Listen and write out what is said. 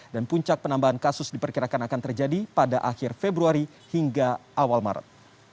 dan puncak penambahan kasus diperkirakan akan terjadi pada akhir februari hingga awal maret